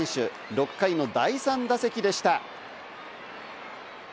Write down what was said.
６回の第３打席でした。